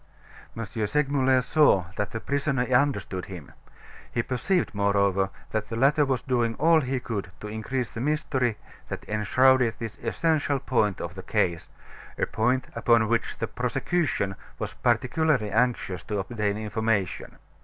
M. Segmuller saw that the prisoner understood him. He perceived, moreover, that the latter was doing all he could to increase the mystery that enshrouded this essential point of the case a point upon which the prosecution was particularly anxious to obtain information.